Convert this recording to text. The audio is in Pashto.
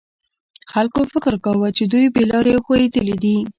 خلکو فکر کاوه چې دوی بې لارې او ښویېدلي دي.